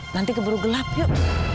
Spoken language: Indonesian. nanti keburu gelap yuk